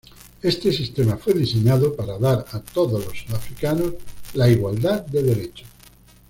Este sistema fue diseñado para dar a todos los sudafricanos la igualdad de derechos.